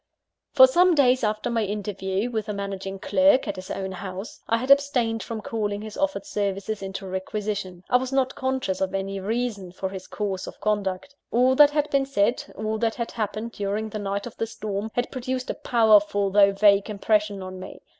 For some days after my interview with the managing clerk, at his own house, I had abstained from calling his offered services into requisition. I was not conscious of any reason for this course of conduct. All that had been said, all that had happened during the night of the storm, had produced a powerful, though vague impression on me.